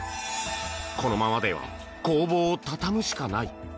このままでは工房を畳むしかない。